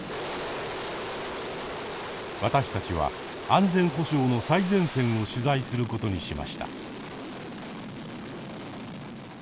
私たちは安全保障の最前線を取材することにしました。